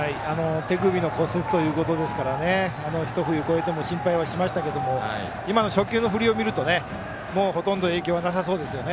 手首の骨折ということですからひと冬越えても心配はしましたが今の初球の振りを見るとほとんど影響はなさそうですね。